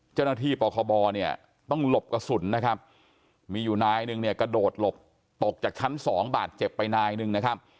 เจ้าหน้าที่ปกบต้องหลบกระสุนมีอยู่นายนึงกระโดดหลบตกจากชั้น๒บาทเจ็บไปนายนึง